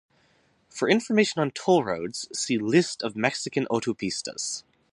For information on toll roads, see List of Mexican autopistas.